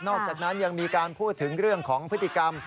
อกจากนั้นยังมีการพูดถึงเรื่องของพฤติกรรม